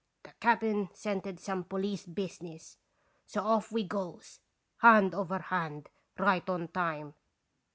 The cap'n scented some police business; so off we goes, hand over hand, right on time.